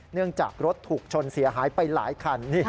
เนื่องจากรถถูกชนเสียหายไปหลายคัน